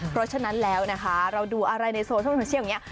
เพราะฉะนั้นแล้วนะคะเราดูอะไรในโซเชียลแบบนี้